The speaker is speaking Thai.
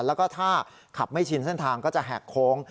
แล้วก็ถ้าขับไม่ชินเส้นทางก็จะแหกโค้ง